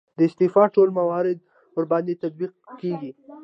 د استعفا ټول موارد ورباندې تطبیق کیږي.